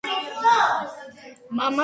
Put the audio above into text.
მამა ძალიან მორწმუნე კაცი იყო.